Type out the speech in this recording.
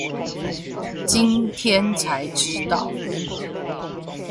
今天才知道